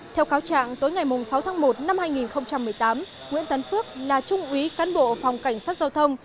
theo cáo trạng tối ngày sáu tháng một năm hai nghìn một mươi tám nguyễn tấn phước là trung úy cán bộ phòng cảnh sát giao thông